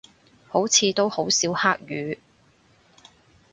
好似都好少黑雨